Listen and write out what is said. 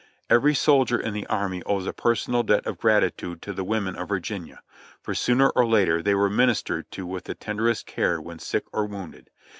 Every soldier in the army owes a personal debt of gratitude to the women of Virginia, for sooner or later they were ministered to with the tenderest care when sick or wounded.